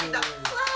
わあ